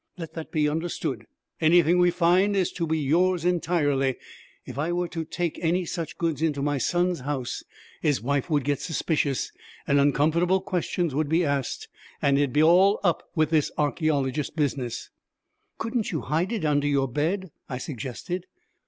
Let that be understood. Anything we find is to be yours entirely. If I were to take any such goods into my son's house, his wife would get suspicious, and uncomfortable questions would be asked, and it'd be all up with this archæologist business.' 'Couldn't you hide it under your bed?' I suggested.